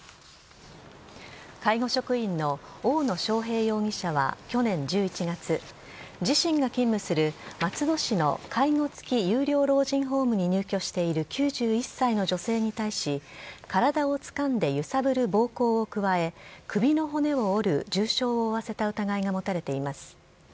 介護職員の大野祥平容疑者は去年１１月自身が勤務する、松戸市の介護付き有料老人ホームに入居している９１歳の女性に対し体をつかんで揺さぶる暴行を加え首の骨を折る重傷を負わせた疑いが持たれています。